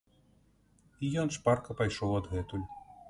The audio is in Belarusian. І ён шпарка пайшоў адгэтуль.